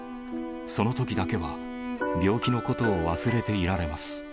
そのときだけは、病気のことを忘れていられます。